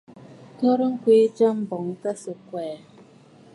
Korə ŋkwee jya, mbèʼe tâ sɨ̀ kwɛɛ.